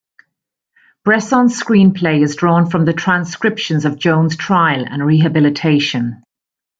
Bresson's screenplay is drawn from the transcriptions of Joan's trial and rehabilitation.